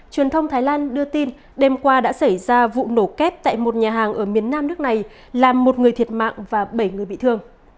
truyền thông thái lan đưa tin đêm qua đã xảy ra vụ nổ kép tại một nhà hàng ở miền nam nước này làm một người thiệt mạng và bảy người bị thương